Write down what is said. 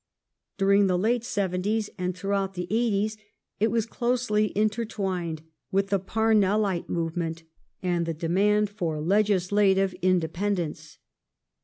During the late 'seventies, and throughout the 'eighties, it was closely intertwined with the Parnellite movement and the demand for legislative independence.